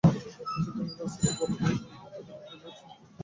এসব কারণে রাজধানীতে গণপরিবহন কম থাকায় যাত্রীরা যাতায়াতে অসহায় হয়ে পড়েছেন।